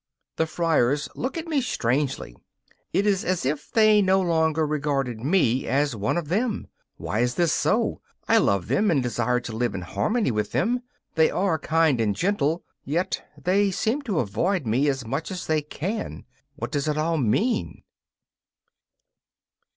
The friars look at me strangely; it is as if they no longer regarded me as one of them. Why is this so? I love them, and desire to live in harmony with them. They are kind and gentle, yet they seem to avoid me as much as they can. What does it all mean?